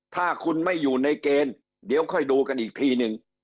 ถ้าคุณไม่อยู่ในเกณฑ์เดี๋ยวค่อยดูกันอีกทีนึง